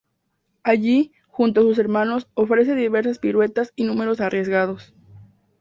Allí, junto a sus hermanos, ofrece diversas piruetas y números arriesgados.